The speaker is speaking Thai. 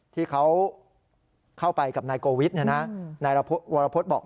ที่เขาเข้าไปกับนายโกวิทนายวรพฤษบอก